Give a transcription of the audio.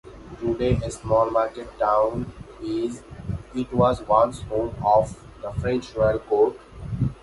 Today a small market town, it was once home of the French royal court.